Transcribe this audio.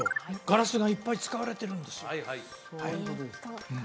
ガラスがいっぱい使われてるんですえっと